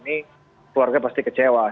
ini keluarga pasti kecewa